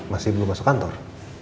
masih belum masuk kantor